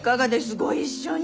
ご一緒に。